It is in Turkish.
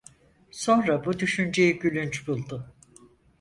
Sonra bu düşünceyi gülünç buldu.